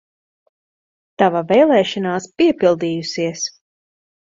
Tava vēlēšanās piepildījusies!